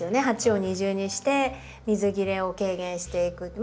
鉢を二重にして水切れを軽減していく。